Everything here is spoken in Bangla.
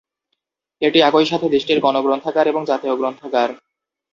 এটি একই সাথে দেশটির গণ গ্রন্থাগার এবং জাতীয় গ্রন্থাগার।